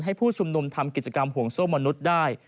ผู้ชุมนุมทำกิจกรรมห่วงโซ่มนุษย์ได้